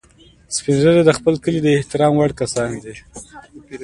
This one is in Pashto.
سپین ږیری د خپل کلي د احترام وړ کسان دي